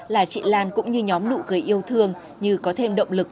là chị lan cũng như nhóm nụ cười yêu thương như có thêm động lực